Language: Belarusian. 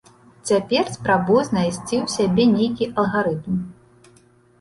Цяпер спрабую знайсці ў сабе нейкі алгарытм.